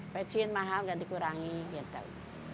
pecin mahal nggak dikurangi gitu